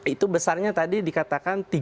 itu besarnya tadi dikatakan tiga empat